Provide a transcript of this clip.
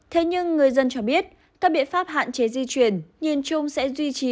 thế nhưng người dân cho biết các biện pháp hạn chế di chuyển nhìn chung sẽ duy trì